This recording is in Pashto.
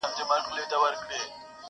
لا ترڅو به وچ په ښاخ پوري ټالېږم.!